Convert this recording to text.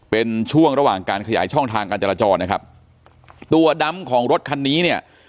เป็นช่วงระหว่างการขยายช่องทางการจราจรนะครับตัวดำของรถคันนี้เนี่ย